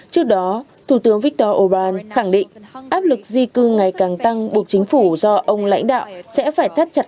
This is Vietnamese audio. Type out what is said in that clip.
trước đó thủ tướng viktor orbán khẳng định áp lực di cư ngày càng tăng buộc chính phủ do ông lãnh đạo sẽ phải thắt chặt